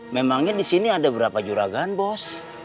memangnya disini ada berapa juragan bos